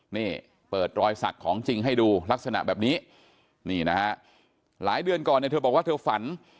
นี่เปิดรอยสักของจริงให้ดูลักษณะแบบนี้นี่นะฮะหลายเดือนก่อนเนี่ยเธอบอกว่าเธอฝัน